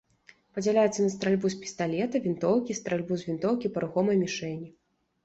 Падзяляецца на стральбу з пісталета, вінтоўкі, стральбу з вінтоўкі па рухомай мішэні.